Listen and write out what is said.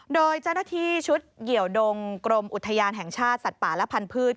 โดยเจ้าหน้าที่ชุดเหี่ยวดงกรมอุทยานแห่งชาติสัตว์ป่าและพันธุ์